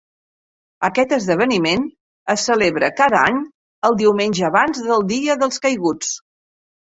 Aquest esdeveniment es celebra cada any, el diumenge abans del Dia dels Caiguts.